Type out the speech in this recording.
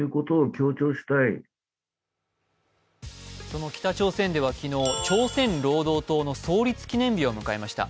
その北朝鮮では昨日、朝鮮労働党の創立記念日を迎えました。